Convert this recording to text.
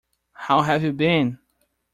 How have you been?